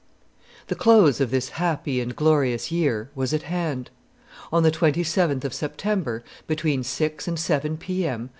The close of this happy and glorious year was at hand. On the 27th of September, between six and seven P.M.